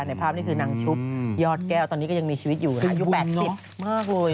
ภาพนี้คือนางชุบยอดแก้วตอนนี้ก็ยังมีชีวิตอยู่นะอายุ๘๐มากเลย